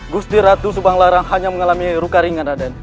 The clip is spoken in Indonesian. gusti ratu subang larang hanya mengalami luka ringan raden